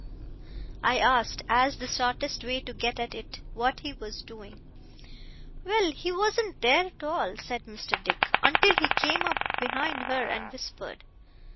I asked, as the shortest way to get at it, what he WAS doing. 'Well, he wasn't there at all,' said Mr. Dick, 'until he came up behind her, and whispered.